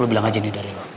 lo bilang aja ini dari lo